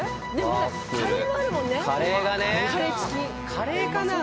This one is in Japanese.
カレーかな。